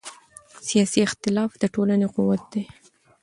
سیاسي اختلاف د ټولنې قوت دی